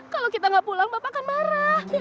kalau kita nggak pulang bapak akan marah